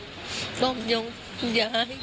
ให้ด้มยงยาให้กิน